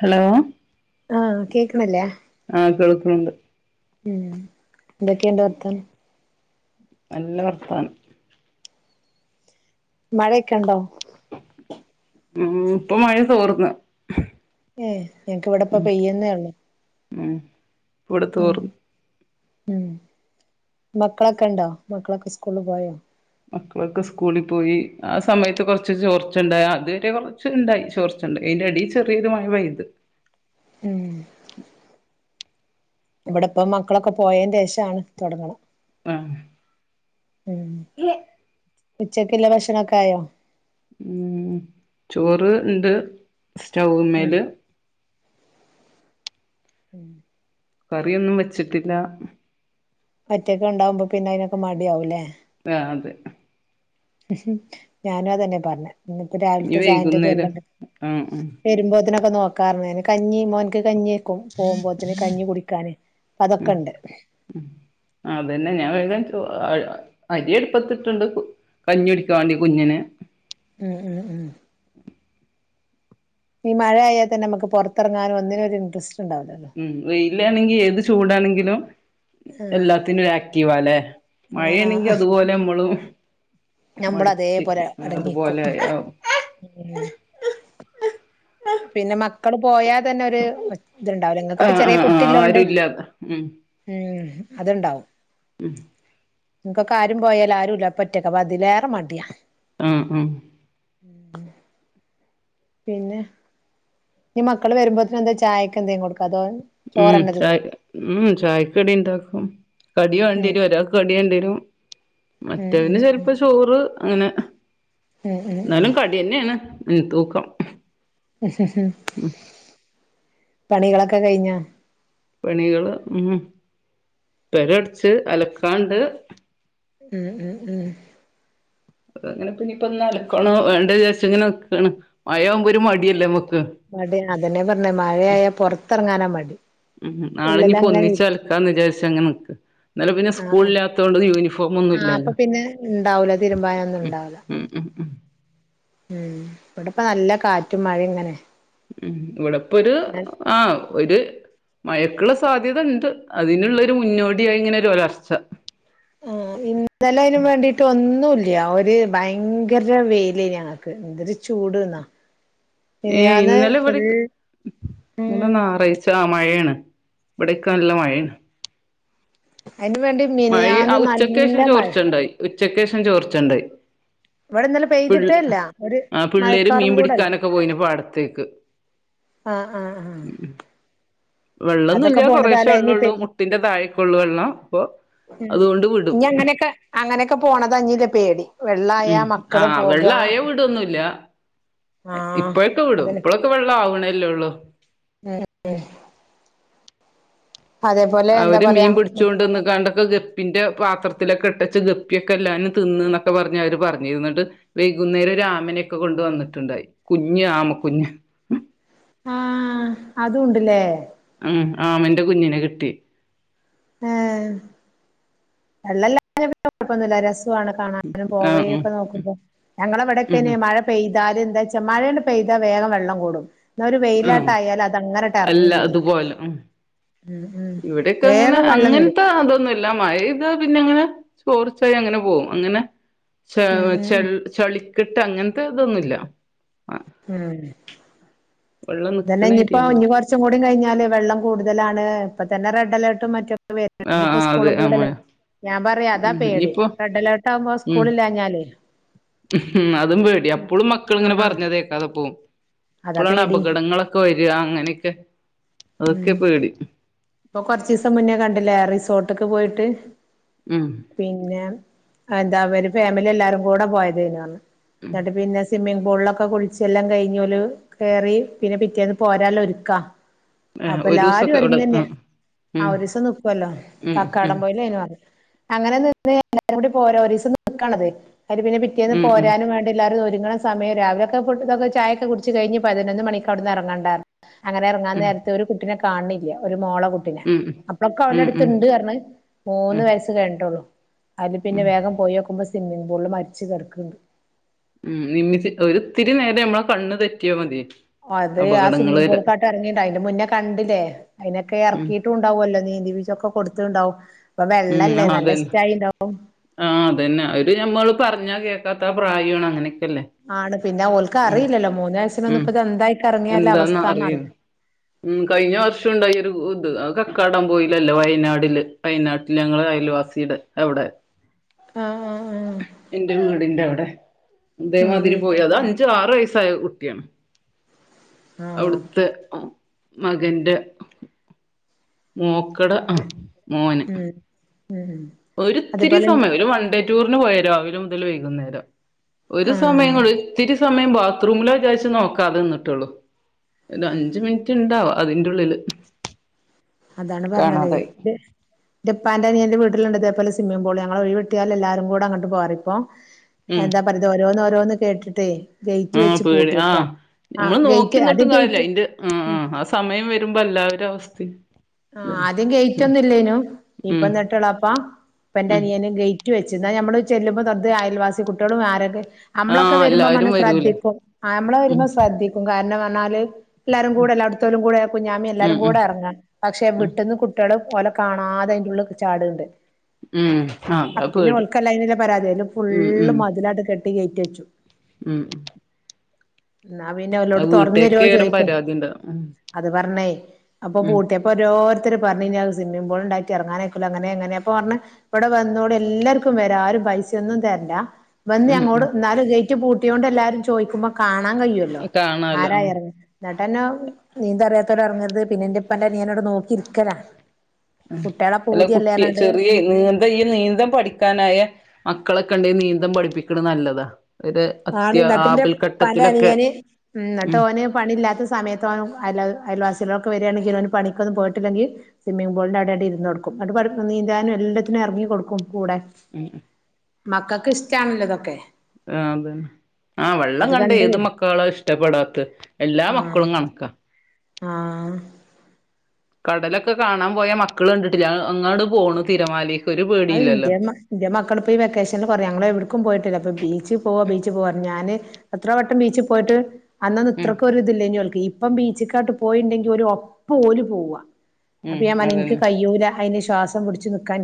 Hello ആഹ് കേക്ക്‌ണില്ലേ ആഹ് കേൾക്ക്‌ണ് ണ്ട് ഉം എന്തൊക്കെയ്ണ്ട് വർത്താനം നല്ല വർത്തനം മഴെക്കെണ്ടോ ഉം ഇപ്പൊ മഴ തോർന്ന് ഏഹ് ങ്ങക്ക് ഇവിടെപ്പോ ഉം പെയ്യന്നേള്ളൂ ഉം ഇവ്ടെ ത്തോർന്നു ഉം മക്കളൊക്കെ ഇണ്ടോ? മക്കളൊക്കെ സ്കൂള് പോയോ മക്കളൊക്കെ സ്കൂളീ പോയി ആ സമയത്ത് കൊറച്ച് ചോർച്ചണ്ടായി അതുവരെ കുറച്ച് ഉണ്ടായി ചോർച്ചണ്ടായി അതിന്റെടി ചെറിയ മഴ പെയ്ത് ഉം ഇവിടെപ്പ മക്കളൊക്കെ പോയെന്റെഷാണ് തുടങ്ങണം ആഹ് ഉം ഉച്ചക്കുള്ള ഭക്ഷണൊക്കെ ആയോ ഉം ചോറ് ഇണ്ട് സ്റ്റൗവ് മേല് ഉം ഉം കറിയൊന്നും വെച്ചിട്ടില്ല ഒറ്റൊക്ക്ണ്ടാകുമ്പോ പിന്നെ അയിനൊക്കെ മടിയാവൂല്ലേ ആഹ് അതെ ഹ്മ് ഞാനു അതന്നെ പറഞ്ഞെ ഇന്നിപ്പ ഇനി രാവിലത്തെ ചായന്റെതും വൈകുന്നേരം എല്ലണ്ട് ആഹ് വരുമ്പോത്തന് നോക്കാറ്ഞ്ഞ് കഞ്ഞി മോന്ക്ക് കഞ്ഞി പോ പോകുമ്പോത്തിന് കഞ്ഞി കുടിക്കാന് പ്പ അതൊക്കെണ്ട് ആഹ് അതന്നെ ഞാൻ വേഗം ചോ അരി അടുപ്പത്തിട്ട്ണ്ട് കു കഞ്ഞി ടിക്കാൻ വേണ്ടി കുഞ്ഞിന് ഉം ഉം ഉം ഈ മഴയായായ തന്നെ മ്മക്ക് പൊറത്തെറങ്ങാനും ഒന്നിനും ഒരു ഇൻട്രസ്റ്റ് ഉണ്ടാവുല്ലല്ലോ? ലാന്നെങ്കി ഏത് ചൂടാണെങ്കിലും എല്ലാത്തിനും ആക്റ്റീവാല്ലേ? ആ ആ മഴയാണെങ്കി ആ അതുപോലെ നമ്മളും നമ്മള് അതേപോലെ മടിച്ചിരിക്കും അടങ്ങിക്കും അതുപോലെ ഉം പിന്നെ മക് ക്കള് പോയാ തന്നൊര് ത്ണ്ടാവൂല ങ്ങക്ക്പ്പൊ ആഹ് ചെറിയ ആഹ് ആഹ് കുട്ടില്ലോണ്ട് ആരുല്ലാതെ ഉം അത്ണ്ടാവും ഉം എനിക്കൊക്കെ ആരും പോയാലും ആരും ഇല്ല അപ്പൊ ഒറ്റക്കെ അപ്പ അതിലേറെ മടിയാ ഉം ഉം പിന്നെ ഇ മക്കള് വരുമ്പോത്ത്നെന്തെ ചായക്കെ എന്തെ കൊടുക്കോ അതോ ഉം ചോറന്നെ തിന്നോ ചായ ഉം ചായക്കടി ണ്ടാക്കും കടി വാണ്ടി ഉം വരും ഒരാൾക്ക് കടിവാണ്ടി വരും ഉം ഉം മറ്റേതിന് ഉം ചെലപ്പോ ചോറ് അങ്ങനെ ഉം ഉം ഉം ന്നാലും കടി ന്നെണ് ഉം തൂക്കം ഉം പണികളൊക്കെ കയ്ഞ്ഞോ പണികള് ഉം പെരടച്ച് അലക്കാണ്ട് ഉം ഉം ഉം അങ്ങനെ പിന്നെ പ്പൊ ന്ന് അലക്കണോ വേണ്ടെ ന്ന് വിചാരിച്ചു ങ്ങനെ നിക്കണ് മഴ ആവുമ്പോ ഒരു മടിയല്ലേ മടിയാ അതെന്നെ പ മഴയായ പൊറത്തറങ്ങാന മടി ഉം നാളെ ഇഞ്ഞിപ്പോ ഉള്ളിലങ്ങനെ ഒന്നിച് ഇരിക്കും അലക്കാന്ന് വിചാരിച്ച അങ്ങനെ നിക്ക ഇന്നലെ പിന്നെ ആഹ് ആഹ് സ്കൂളിലാത്ത കൊണ്ട് യൂണിഫോം ഒന്നും ആഹ് അപ്പൊ ഇല്ലല്ലോ പിന്നെ ഇണ്ടാവൂല തിരുമ്പാനൊന്നും ഉം ഇണ്ടാവൂല ഉം ഉം ഉം ഉം ഇവിടെ പ്പ നല്ല കാറ്റും മഴയും ഇങ്ങനെ ഉം ഇവിടെപ്പൊ ഒരു ഞാൻ ആഹ് ഒരു മയക്കുള്ള സാധ്യത ഇണ്ട് അതിനുള്ളരു മുന്നോടിയായി ഇങ്ങനെ ഒരുരാ പച്ച ആഹ് ഇന്ന് ഇന്നലെ അയിനും വേണ്ടിയിട്ട് ഒന്നുംല്ല ആ ഒര് ഭയങ്കര വെയിലെനി ഞങ്ങക്ക് എന്തൊരു ചൂട്ന്നാ ഏ ഇന്നലെ ഇവിടെ ഉം ഞാറാഴ്ച ആ മഴയാണ് ഇവിടെക്കല്ല മഴാണ് അതിന് വേണ്ടി മിനിയാന്ന് നല്ല ഉച്ചക്കേഷം മഴ ചോർച്ചണ്ടായി ഉച്ചക്കേഷം ചോർച്ചണ്ടായി ഇവിടെ ഇന്നെലെ പിള്ള് പെയ്തിട്ടേല്ല. ഒരു ആ പിള്ളേര് മയക്കാറും മീൻ കൂടെല്ല. പിടിക്കാനൊക്കെ പോയിന് പാടത്തേക്ക് ആഹ ആഹ ആഹ അതൊക്കെ വെള്ളൊന്നുല്ല പോണത് കൊറേശെ അല ഇനി വെള്ളൊള്ളൂ മുട്ടിന്റെ താഴേക്കൊള്ളൂ വെള്ളം അപ്പൊ അതുകൊണ്ട് വിടും അങ്ങനെയൊക്കെ അങ്ങനെയൊക്കെ പോണത് ആ ഞ്ഞിള്ള പേടി ഉം വെള്ളായാ ആ മക്കള് വെള്ളം പോക ആയാവിടൊന്നുല്ല. ആഹ് ഇപ്പഴൊക്കെ വിടും ഇപ്പോഴൊക്കെ വെള്ളം ആവ്ണേ ല്ലേള്ളൂ ഏ അവര് പറയാ മീൻ പിടിച്ചോണ്ട്ന്ന്ക്കാണ്ടൊക്കെ ഗപ്പിന്റെ പാത്രത്തിലൊക്കെ ച്ച ഗപ്പിയൊക്കെ എല്ലും തിന്ന് എന്നൊക്കെ പറഞ്ഞ് അവര് പറഞ്ഞിരുന്നിട്ട് വൈകുന്നേരം രാമനെൊക്കെ കൊണ്ട് വന്നിട്ടുണ്ടായി കുഞ്ഞ് ആമ കുഞ്ഞ് അതൂണ്ട് ലേ ഉം ആമന്റെ കുഞ്ഞിനെ കിട്ടി ആ വെള്ളല്ല കുഴപ്പൊന്നല്ല രസം കാണാനും ആ പോവയ ഉം ഒക്കെ നോക്കുമ്പോ ഞങ്ങള ഇവിടെക്ക ഉം യ്ന് മഴ പെയ്ത് കാര്യം എന്താ വച്ചാ മഴേണ്ട് പെയ്താ വേഗം വെള്ളം കൂടും. എന്ന ഒരു ആ വെയിലാട്ട ആയാൽ അത് അങ്ങനട്ട് എറങ്ങി അല്ല പോകും അതുപോലെ ഉം ഇവിടെക്കെ അങ്ങനെ അങ്ങനത്തെ അതൊന്നുല്ല മയയും പിന്നെങ്ങനെ ചോർച്ചായി അങ്ങനെ പോകും അങ്ങനെ ച ഉം ചെ ചളി കിട്ട അങ്ങനത്തെ ഇതൊന്നുല്ല ആഹ് ഉം വെള്ളം നിക്കണ ഇതന്നെപ്പം ഇഞ്ഞ ഏരിയൊന്നുല്ല കൊറച്ചും കൂടി കഴിഞ്ഞ വെള്ളം കൂടുതലാണ് ഇപ്പ തന്നെ റെഡ് അലർട്ടും മറ്റ വര്ണ്ട് ആഹ് ഇനിപ്പ ആഹ് അതെ സ്കൂളും ആഹ് കൂടെല്ല മഴ ഞാൻ പറയാ അതാ ഉം പേടി ഇനിയിപ്പോ റെഡ് അലേർട്ട് ആകുമ്പോ ഉം സ്കൂളില്ലാഞ്ഞാലേ ഉം അത് അതും പേടിയാ അപ്പളും മക്കളിങ്ങനെ ആഹ് പറഞ്ഞതേക്കാതെ പോവും അതാ ഇപ്പോളാണ് പേടി അപകടങ്ങളൊക്കെ വരിക അങ്ങനെയൊക്കെ അതൊക്കെ ഉം പേടി ഇപ്പൊ കൊറച്ചിസം മുന്നേ കണ്ടില്ലേ റിസോർട്ടക്ക് പോയിട്ട് ഉം പിന്നെ എന്താ ഒര് ഫാമിലി എല്ലാരും കൂടെ പോയതയ്നിം അന്ന് എന്നട്ട് പിന്നെ സിമ്മിങ് പൂളിലൊക്കെ ക്കെ കുളിച്ചെല്ലാം കഴിഞൊല് കേറി പിന്നെ പിറ്റേന്ന് പോരാല്ലോ ഒരുക്കാ ആ ഒരു ദിവസംക്കെ അവിടെ ആ ആ ഒരു ദിവസം നിക്കുവല്ലോ ഉം കക്കാടം പൊയ്ലയ്‌നു അറിഞ് അങ്ങനെ നിന്ന് എല്ലാരും കൂടി പോരാ ഒരു ദിവസം നിക്കാണള്ള ഇത് അയ്ല് പിന്നെ പിറ്റേന്ന് ഉം ഉം പോരാനും വേണ്ടി എല്ലാരും ഒരുക്ക ങ്ങണ സമയം രാവിലൊക്കെ ഫുഡ് ഇതൊക്കെ ചായാക്കെ കുടിച്ച് കഴിഞ്പതിനൊന്നു മണിക്ക് അവ്ട്ന്നു എറങ്ങണ്ടാ അങ്ങനെ ഇറങ്ങാൻ ഉം നേരത്തെ ഒരു കുട്ടിനെ കാണില്ല ഒരു മോളെ പിന്നെ ഉം അപ്പളൊക്കെ ഉം ഉം ഓലെടുത്തുണ്ട് അർഞ്ഞു മൂന്ന് ഉം വയസ്സ് കഴിഞ്ഞിട്ടുള്ളു അതില് പിന്നെ വേഗം പോയോക്കുമ്പോ സ്വിമ്മിങ്ങ്പൂളിൽ മരിച്ച് കിടക്കണ്ട് ഉം നിമ്മി ഒത്തിരി നേരം നമ്മള കണ്ണ് തെറ്റിയ മതി അത് ആ അപകടങ്ങള് സ്വിമ്മിംഗ വരാ പൂളക്കാട്ട് ഇറങ്ങിയിണ്ട അതിന്റെ മുന്നേ കണ്ടില്ലേ അതിനൊക്കെ ഉം ഇറക്കിട്ടുണ്ടാവുമല്ലോ നീന്തിപ്പിചൊക്കെ കൊടുത്ത്ണ്ടാവും ഇപ്പൊ വെള്ളല്ലേ നല്ല ഇഷ്ടായിണ്ടാവും ആഹ അതന്നെ അവര് ഞമ്മള് പറഞ്ഞാ കേക്കാത്ത ആ പ്രായാണ് അങ്ങനെ ആണ് പിന്നെ ഓൾക്ക് അറിയില്ലല്ലോ മൂന്ന വയസന് ഒന്ന ഉം ഇപ്പ ഇത് എന്തായിക്ക ഇറങ്ങിയല്ല എന്താന്ന് അവസ്ഥന്ന അറി അറിയില്ല ഉം കഴിഞ്ഞ വർഷം ഉണ്ടായി ഒരു ഇത് അത് കക്കാടം പോയിലല്ലേ വയനാടില് വയനാട്ടിൽ ഞങ്ങള്ടെ അയൽവാസിയുടെ അവിടെ ആ ആ എന്റെ വീടിന്റെ അവിടെ ഉം ഉം ഇതേമാതിരി പോയിതാ അത് അഞ്ചു ആറ് വയസ്സ് സായകുട്ടിയാണ് ആഹ് അവിടുത്തെ ആ മകന്റെ മോക്കട അ അതെ മോന് ഉം ഉം ഒരിത്തിരി അതേപോലെ സമയം ഒരു വൺണ്ടേ ടൂറിനു പോയതാ. രാവിലെ മുതൽ വൈകുന്നേരം ഒരു സമയം ആഹ് ഉള്ളിൽ ഒത്തിരി സമയം ബാത്റൂമില വിചാച്ചു നോക്കാതെ ന്നിട്ടുള്ളൂ ഒരു അഞ്ചു മിനിറ്റ് ഇണ്ടാവ അതിന്റെള്ളില് അതാണ് പറഞ്ഞത് എന്റെ എന്റുപ്പാന്റെനിയന്റെ വീട്ട ട്ടു ഇതേ പോല സിമ്മിംഗ് പൂള് ഞങ്ങളഒഴിവ് കിട്ടിയൽ എല്ലാരും കൂടെ അങ്ങോട്പോവാറ് ഇപ്പോ ഉം എന്താ പറയുന്നത് ഓരോന്നോരോന്ന് കേട്ടിട്ടേ ഗേറ്റ് ആ വെച്ച് പേടി ആ പൂട്ടിയേക്കാ ആഹ് നഞമ്മള് ഗേറ്റ് അത് നോക്കിന്നിട്ടും കാര്യല്ല ഗേറ്റ് അന്റെ ആ ഉം ആ ആ സമയം വരുമ്പോ എല്ലാവരും അവസ്ഥിം ആ ആദ്യം ഗേറ്റ് ഒന്നും ഇല്ലേനു ഇപ്പൊ ഉം എന്നിട്ടുള്പ്പാ ഇപ്പ എന്റെ ഉം അനിയന് ഗേറ്റ് വെച്ചു എന്നനമ്മള് ചെല്ലുമ്പോ തൊട്ട് അയൽവാസി കുട്ടികളും ആരൊക്കെ ആ നമ്മളൊക്കെ വരുമ്പോ മന എല്ലാരും വരൂലേ ശ്രദ്ധിക്കും നമ്മള ഉം വരുമ്പോ ശ്രദ്ധിക്കും കാരണം ന്നാല് എല്ലാരും കൂടെ എല്ലായിടത്തരും കൂടെ കുഞ്ഞാമ ഉം എല്ലാരും ഉം കൂടെ ഇറങ്ങാൻ പക്ഷെ ഉം വിട്ടന്ന് കുട്ട ഇവിടെ ഓലെ കാണാതെ അയ്ന്റെ ള്ളുക്ക് ചാടുന്നുണ്ട്. ഉം ആ അതാ അപ്പൊപിന്നെ പേടി ഇവൾക്കാലൈനിലെ പരാതിയുണ്ട് ഉം ഫുള്ള് ഉം മതിലി ഗേയ്റ്റടച്ചു ഉം എന്നാപിന്നെ അത് അവനോട് തുറന്നു വീട്ടുകാർക്ക് തരുവോ, ഏറും ചോദിക്കും പരാതി ഉണ്ടാവും ഉം അത് പറഞ്ഞേ അപ്പൊ ഉം പൂട്ടിയ ഓരോരുത്തര് പറഞ്ഞിനി അത്‌ സ്വിമ്മിംഗ്പൂൾ ഇണ്ടാക്കി ഇറങ്ങാനയ്ക്കൂല അങ്ങനെയങ്ങനെ അപ്പൊ പർഞ്ഞ് വടെ വന്നോളി എല്ലാർക്കും വര ആരും പൈസിയന്നും തെരണ്ട ഉം വന്നേയങ്ങോട് ഉം ന്നാലു ഗേ ഗേറ്റ് പൂട്ട്യോണ്ട് എല്ലാരും ചോദിക്കുമ്പോ കാണാ കാണാൻ കയ്യൊല്ലോ കാണാലോ ഉം ആരായിറങ്ങി എന്നിട്ടെന്നെ നീന്തറിയാത്തവര് എറ്ങ്ങരുത് പിന്നെയെന്റയിപ്പന്റെ നിയനവിടെ നോക്കിയിരിക്കല അല്ല കുട്ടി ചെറിയ നീന്ത് ഈ നീന്ത് പഠിക്കാനായ മക്കളൊക്കെ ഉണ്ടെങ്കിൽ നീന്ത് പഠി പ്പിക്ക്ണെ നല്ലതാ ഒരു ആള് അത്യ നട്ടിന്റെ പ്പന്റെ ആപൽഘട്ടത്തിലൊക്കെ അനിയന് ഉം ന്നട്ട് ഓന് പണില്ലാത്ത സമയത്ത് ഓന് അയൽ അയൽവാ ചിലരൊക്കെ വരി കാണെങ്കിൽ അവ പണിക്കൊന്നും പോയിട്ടില്ലെങ്കിൽ സ്വിം മിംഗ്പൂളിൻ്റെ അവിടെയായിട്ടിരുന്നുകൊടുക്കും. അത്പറഞ്ഞു നീന്താനും എല്ലാത്തിനും ഇറങ്ങികൊടുക്കും. കൂടെ മക്കൾക്കിഷ്ടാണല്ലോ ഇതൊക്കെ ആ ആ വെള്ളം അത് കണ്ട് വരും. കണ്ടാഏതുമക്കളാടാ ഇഷ്ടപ്പെടാത്തെ എല്ലാ മക്കളും കണക്കാ ആ കടലൊക്കെ കാണാൻ പോയാമക്കള്കണ്ടിട്ടില്ല അങ്ങോട്ട്പോണു തിരമാലയി അതിന്റെ മ്മ ഇന്റെ മക്കളിപ്പോ ഈ വെക്കേഷനിൽ പറയും ഞങ്ങളെവിട്ക്കും പോയിട്ടില്ല. ഇപ്പൊ ബീച്ചിൽപോവാ ബീച്ചിൽ പോവാ ഞാന് എത്രവട്ടം ബീച്ചിൽ പോയിട്ട് ഉം അന്നൊന്നുമിത്രക്കൊരിതില്ല, ഇങ്ങോട്ട് ബീ ഇപ്പം ബീച്ചിക്കാട്ട് പോയില്ലെങ്കിൽ ഒരു ഒപ്പുപോലും പോവുവാ അപ്പ ഉം ഞാൻ പറഞ്ഞു എനിക്ക്കഴിയ്യൂല അതിനിഷ്- ശ്വാസംപിടിച്ചു നിൽക്കാൻ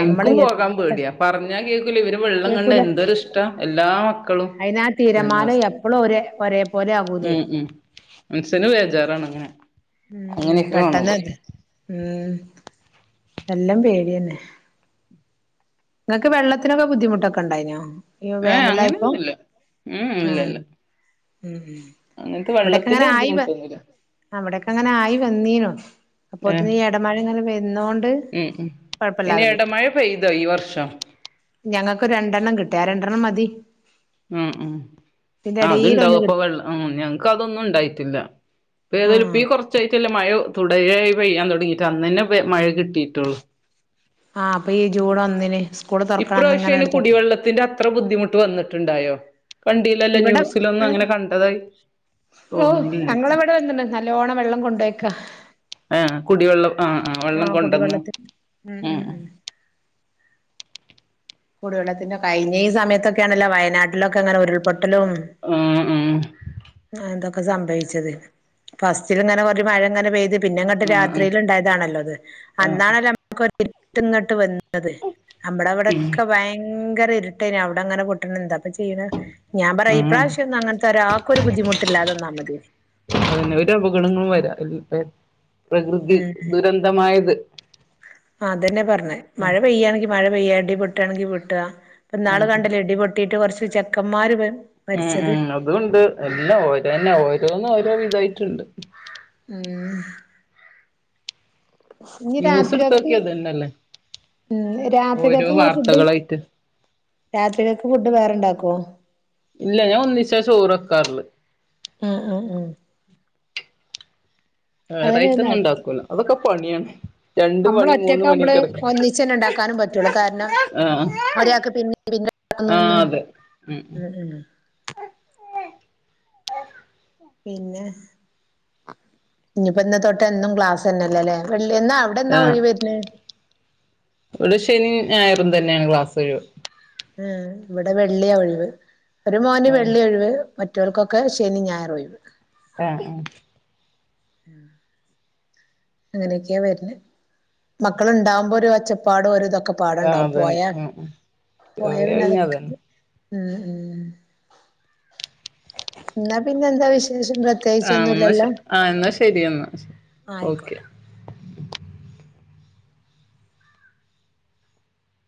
എനിക്കും പോകാൻ പേടിയ, പറഞ്ഞാ കേൾക്കൂല ഇവര് വെള്ളം കേക്കൂല കണ്ടാലെന്തൊരിഷ്ടാ, എല്ലാ മക്കളും. അയിനാ തിരമാല എപ്പളും ഒരേ ഒരേ പോലെ ആകൂലേ ഉം.. ഉം ഉം ഉം പെട്ടെന്ന് ഉം എല്ലാം പേടിതന്നെ നിങ്ങൾക്ക് വെള്ളത്തിനൊക്ക ബുദ്ധിമുട്ടൊക്കെ ഉണ്ടായിനോ ഏ.. അങ്ങനെയൊന്നുമില്ല ഉം.. ഇല്ലില്ല.. ഉം.. ഉം ഇവിടൊക്കെയങ്ങനെയായി വന്നു. ബുദ്ധിമുട്ടൊന്നുല്ല അവിടൊക്കെയങ്ങനെ ആയിവന്നീനോ ഏഹ് അപ്പൊതന്നെയീ യിടമഴയിങ്ങനെ വരുന്നകൊണ്ട് ഉം ഉം ഇനി കൊഴപ്പമില്ലാതെ പോയി. എടമഴ പെയ്തോ ഈ വർഷം ഞങ്ങൾക്ക് രണ്ടെണ്ണം കിട്ടിയാറുണ്ട് രണ്ടെണ്ണം മതി ഉം ഉം ഇതിന്റെ ആ എടേൽ അത്ണ്ടാവും ഒന്ന് അപ്പൊ കിട്ടി വെള്ള ഞങ്ങക്ക് അതൊന്നും ഉണ്ടായിട്ടില്ല ഇപ്പ ഏതായലും പ്പി ആഹ് കുറച്ചായിട്ടല്ലേ മഴ തുടയായി പെയ്യാൻ തുടങ്ങിട്ട് അന്നന്നെ മഴ കിട്ടിയിട്ടുള്ളു ആ ഇപ്പോ ഈ ജൂൺ ഒന്നിന് സ്കൂള് തുറക്കണ അന്ന് ഇപ്രാവശ്യം ഇങ്ങനെ അയ്ന് അങ്ങട് തൊടങ്ങി കുടിവെള്ളത്തിന്റെ അത്ര ബുദ്ധിമുട്ട് വന്നിട്ടുണ്ടായോ കണ്ടില്ലല്ലോ ഇവിടെ ന്യൂസിലൊന്നും അങ്ങനെ കണ്ടതായി ഓ തോന്നീല്ല എനിക്ക് ഞങ്ങളവിടെ വന്നിണ് നല്ലോണം വെള്ളം കൊണ്ടോയക്ക ആ ആ വെള്ളം കൊണ്ടന്ന് ഉം കുടിവെള്ളത്തിന്റെ കഴിഞ്ഞ ഈ സമയത്തൊക്കെണല്ലോ വയനാട്ടിലൊക്കെ ങ്ങനെ ഉരുൾപൊട്ട ലും ആഹ് ഉം ആഹ് സംഭവിച്ചത് ഫസ്റ്റിലങ്ങനെ മഴങ്ങനെ പെയ് പിന്നെ ഇങ്ങോട്ട് ഉം രാത്രിയിൽ ഉണ്ടായതാണല്ലോ അത് ആഹ് അന്നാണല്ലോ നമുക്കൊര്- ഇട്ട് ങ്ങട്ട് വന്ന് അത് നമ്മടെ അവടെ ഉം ഭയങ്കര ഇര്ട്ടേനി അവിടെ അങ്ങനെ പൊട്ട്ണ് ന്താ ചെയ്യണ ഞാൻ പറയാ ആഹ് ഇപ്രാവശ്യന്നും അങ്ങനത്തെ ഒരാൾക്കൊരു ബുദ്ധിമുട്ടില്ലാതന്നാമതിയെനി അതന്നെ ഒരു അപകടങ്ങളും വരാ പ്രകൃതി ഉം ദുരന്തമായത് അതന്നെ പറഞ്ഞെ ഉം മഴ പെയ്യണെങ്കി മഴ പെയ്യായി ഇടിപെട്ടാണെങ്കിൽ പെട്ടുക ഇപ്പൊന്നാൾ ഉം ഉം കണ്ടിലെ ഇടിപൊട്ടി ട്ടിട്ട് കുറച്ച് ചെക്കന്മാര് വേ ഉം ഉം അതുണ്ട് എല്ലാ ഓരോന്നെ ഓരോന്നും ഓരോ വിതായിട്ടുണ്ട് ഉം ഇനി ന്യൂസ് എടുത്ത് രാത്രികക്ക് നോക്കിയാ ഇതന്നല്ലേ ഓരോ രാത്രികക്ക് ഇങ്ങള് ഫുഡ് വാർത്തകളായിട്ട് രാത്രികക്ക് ഫുഡ് വേറെണ്ടാക്കോ ഇല്ല ഞാൻ ഒന്നിച്ചാ ചോറ് വെക്കാറുള്ളെ മൂ മൂ മൂ വേറായിട്ട് ഒന്നും ഉണ്ടാക്കൂല്ല അതൊക്കെ പണിയാണ് രണ്ട് നമ്മൾ പണി മൂന്ന് ഒറ്റകാവുമ്പൾ പണിയൊക്കെ എടുക്കും ഒന്നിച്ചന്നെണ്ടാക്കാനും പറ്റുള്ളു കാരണം ആഹ് ഒരാൾക്ക് പിന്നെ ഒന്നു ആഹ് അതെ ഉം ഉം ഒന്ന് പിന്നെ ഇഞ്ഞിപ്പോ ഇന്ന് തൊട്ട് എന്നും ക്ലാസ്ന്നെല്ലല്ലേ വെള്ളി എന്നാ അവിടെ എന്നാ ആഹ് ഒഴിവര്ന്നേ ഇവിടെ ശനി ഞായറും തന്നെയാണ് ക്ലാസ് ഒഴിവ് മൂ ഇവിടെ വെള്ളിയ ഒഴിവ് ഒരു മോന് ആഹ് വെള്ളി ഒഴിവ് മറ്റവർക്കൊക്കെ ശനി ഞായർ ഒഴിവ് ആ അങ്ങനെയൊക്കെയാ വരുന്നെ മക്കളുണ്ടാവകുമ്പോ ഒരു ഒച്ചപ്പാട് ഒര്ദം ആ അതന്നെ മ് മ് പോയാ പോയ പിന്നെ അതൊക്കെ അതന്നെ ഉം ഉം എന്നാ പിന്നെ പിന്നെന്താ വിശേ ആ എന്നാ ശെ ആ എന്നാ ശരി എന്നാ ഓക്കെ ആയിക്കോട്ടെ